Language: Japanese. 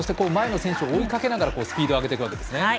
前の選手を追いかけながらスピードを上げていくわけですね。